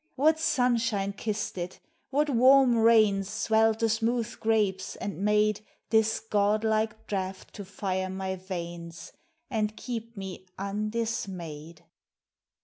What sunshine kissed it, what warm rains Swelled the smooth grapes, and made This godlike draught to fire my veins And keep me undismayed